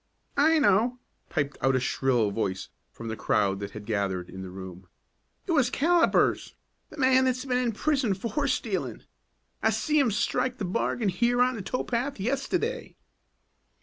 "I know!" piped out a shrill voice from the crowd that had gathered in the room. "It was Callipers, the man that's been in prison for horse stealing. I see 'em strike the bargain here on the tow path yisterday."